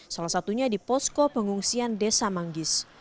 salah satunya di posko pengungsian desa manggis